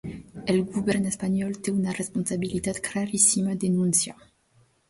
El govern espanyol té una responsabilitat claríssima, denuncia.